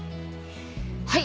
はい！